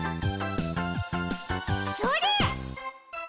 それ！